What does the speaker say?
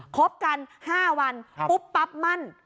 คบกัน๕วันปุ๊บปั๊บมั่น